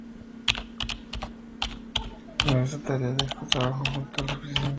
En esa tarea trabajó junto al expresidente Nelson Mandela.